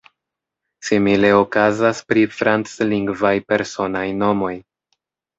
Simile okazas pri franclingvaj personaj nomoj.